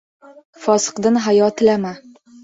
Fosiqdin hayo tilama